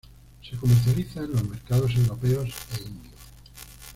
Se comercializa en los mercados europeos e indio.